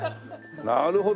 なるほど。